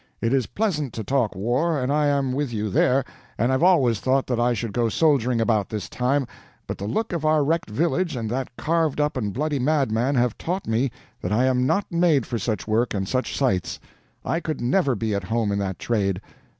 It is pleasant to talk war, and I am with you there, and I've always thought I should go soldiering about this time, but the look of our wrecked village and that carved up and bloody madman have taught me that I am not made for such work and such sights. I could never be at home in that trade.